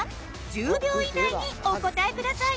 １０秒以内にお答えください！